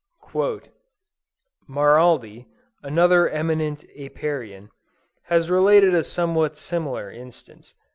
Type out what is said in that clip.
_ "Maraldi, another eminent Apiarian, has related a somewhat similar instance.